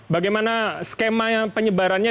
bagaimana skema penyebarannya